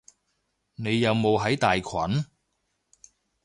你有冇喺大群？